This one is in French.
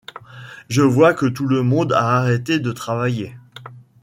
je vois que tout le monde a arrêté de travailler.